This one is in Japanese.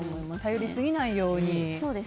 頼りすぎないように。